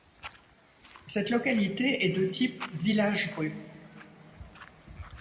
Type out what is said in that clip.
Cette localité est de type village-rue.